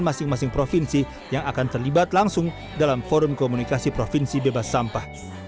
masing masing provinsi yang akan terlibat langsung dalam forum komunikasi provinsi bebas sampah